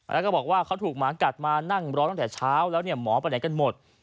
แล้วก็บอกว่าเขาถูกหมากัดมานั่งรอตั้งแต่เช้าแล้วเนี่ยหมอไปไหนกันหมด